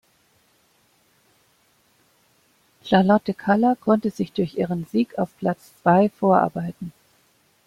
Charlotte Kalla konnte sich durch ihren Sieg auf Platz zwei vorarbeiten.